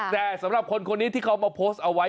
แต่สำหรับคนคนนี้ที่เขามาโพสต์เอาไว้